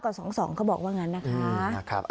๒๙กับ๒๒เขาบอกว่างั้นนะคะ